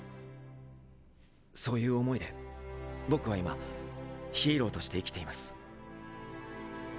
そういう思いで僕は今ヒーローとして生きています。